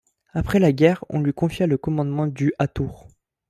Après la guerre, on lui confia le commandement du à Tours.